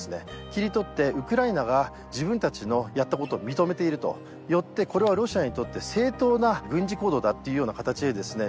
切り取ってウクライナが自分たちのやったことを認めているとよってこれはロシアにとって正当な軍事行動だっていうような形でですね